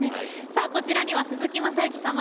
さあこちらには鈴木雅之さん